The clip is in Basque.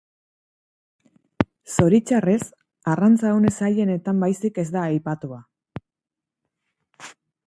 Zoritxarrez, arrantza une zailenetan baizik ez da aipatua.